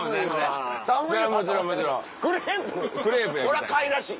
これはかわいらしい。